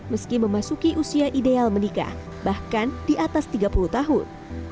meski memasuki usia ideal menikah bahkan di atas tiga puluh tahun